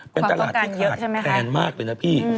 เป็นตลาดที่ขาดแคลนมากเลยนะพี่